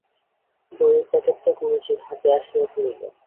বইয়ের প্যাকেটটা গুরুজির হাতে আসিয়া পড়িল।